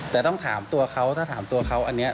แต่ต้องถามตัวเขาเนี่ย